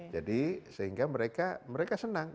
jadi sehingga mereka senang